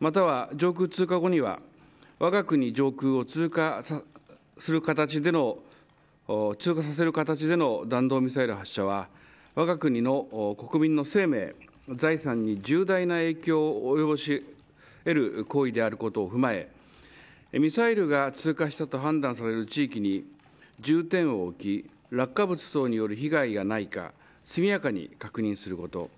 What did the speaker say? または、上空通過後にはわが国上空を通過する形での通過させる形での弾道ミサイル発射はわが国の国民の生命、財産に重大な影響を及ぼし得る行為であることを踏まえミサイルが通過したと判断される地域に重点を置き落下物等による被害がないか速やかに確認すること。